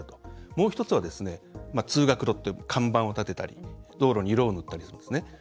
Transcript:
もう１つは、通学路という看板を立てたり道路に色を塗ったりするんです。